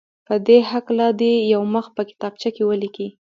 په دې هکله دې یو مخ په کتابچه کې ولیکي.